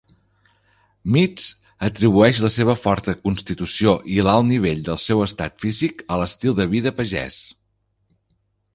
Meads atribueix la seva forta constitució i l'alt nivell del seu estat físic a l'estil de vida pagès.